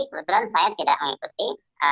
kebetulan saya tidak mengikuti